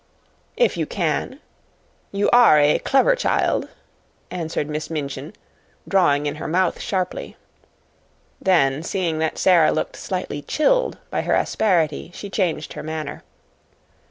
"If you can, you are a clever child," answered Miss Minchin, drawing in her mouth sharply. Then, seeing that Sara looked slightly chilled by her asperity, she changed her manner.